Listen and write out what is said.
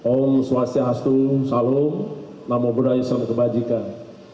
om swastiastu salom namo buddhaisam kebajikan